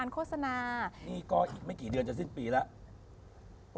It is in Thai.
มันก็มาอีกไม่กี่เดือนจ่ะสิ้นปีแล้ว